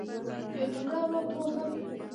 یو تکړه اروا پوه هم